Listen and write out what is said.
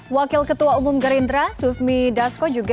wakil ketua umum gerindra sufmi dasko juga